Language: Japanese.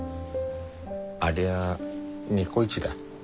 ありゃニコイチだ。